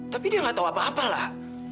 tapi dia nggak tahu apa apa lah